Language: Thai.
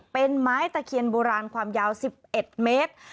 เป็นไม้ตะเคียนโบราณความยาว๑๑เมตร